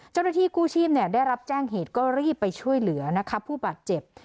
เจ้าหน้าที่กู้ชีพได้รับแจ้งเหตุก็รีบไปช่วยเหลือนะคะผู้บาดเจ็บ